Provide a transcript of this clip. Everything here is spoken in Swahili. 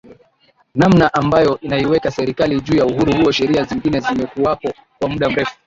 namna ambayo inaiweka Serikali juu ya uhuru huo Sheria zingine zimekuwapo kwa muda mrefu